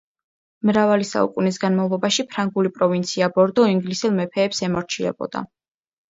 მრავალი საუკუნის განმავლობაში ფრანგული პროვინცია ბორდო ინგლისელ მეფეებს ემორჩილებოდა.